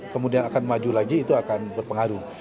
kemudian akan maju lagi itu akan berpengaruh